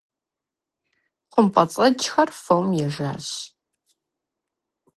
Хъумпӏэцӏэджхэр фом ежащ.